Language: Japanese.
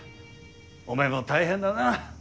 お前も大変だな。